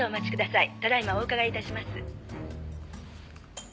ただ今お伺いいたします」